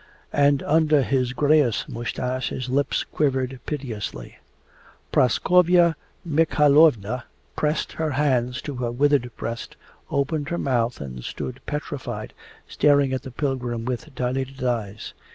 And under his greyish moustache his lips quivered piteously. Praskovya Mikhaylovna pressed her hands to her withered breast, opened her mouth, and stood petrified, staring at the pilgrim with dilated eyes.